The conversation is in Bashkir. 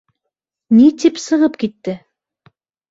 Ни тип сығып китте?